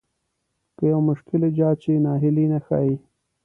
که يو مشکل ايجاد شي ناهيلي نه ښايي.